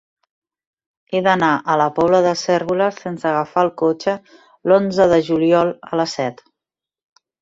He d'anar a la Pobla de Cérvoles sense agafar el cotxe l'onze de juliol a les set.